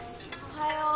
おはよう。